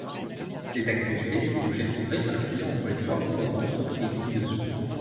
Les activités du projet sont réparties entre les trois composantes reprises ci-dessous.